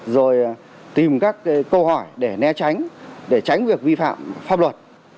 rồi tìm các câu hỏi để né tránh để tránh việc vi phạm pháp luật